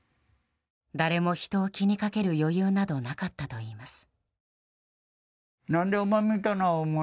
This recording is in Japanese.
誰も人を気にかける余裕などなかったといいます。